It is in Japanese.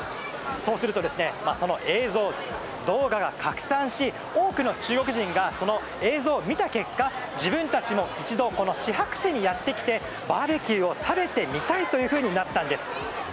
そうすると映像、動画が拡散し多くの中国人がその映像を見た結果自分たちも一度シハク市にやってきてバーベキューを食べてみたいというふうになったんです。